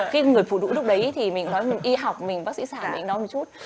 khi người phụ nữ lúc đấy thì mình nói mình y học mình bác sĩ xả anh nói một chút